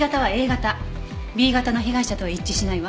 Ｂ型の被害者とは一致しないわ。